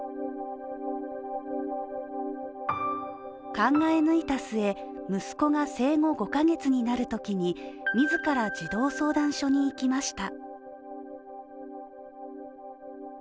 考え抜いた末、息子が生後５か月になるときに自ら児童相談所に行きました。